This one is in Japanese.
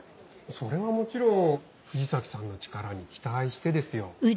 それはもちろん藤崎さんの力に期待してですよ。